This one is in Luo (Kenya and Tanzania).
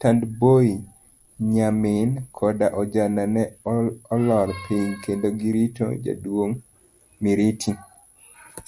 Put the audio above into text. Tandboi, nyamin, koda ojana ne olor piny, kendo girito jaduong' Miriti.